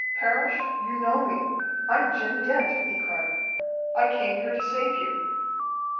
"Parrish, you know me! I'm Jim Dent!" he cried. "I came here to save you."